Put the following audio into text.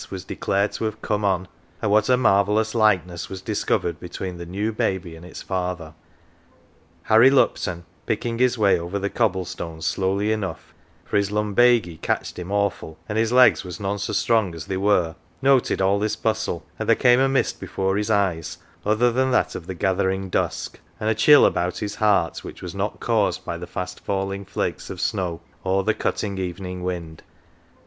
was declared to have " come on ;"" and what a marvellous likeness was discovered between the new baby and its father. Harry Lupton, picking his way over the cobble stones slowly enough for his lumbaguey catched him awful, and his legs was none so strong as they were noted all this bustle, and there came a mist before his eyes other than that of the gathering dusk, and a chill about his heart which was not caused by the fast falling flakes of snow, or the cutting evening wind.